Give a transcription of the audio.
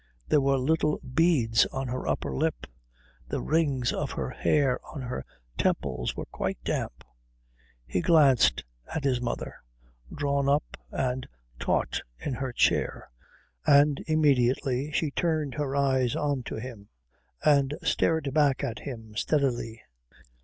There were little beads on her upper lip. The rings of hair on her temples were quite damp. He glanced at his mother, drawn up and taut in her chair, and immediately she turned her eyes on to him and stared back at him steadily.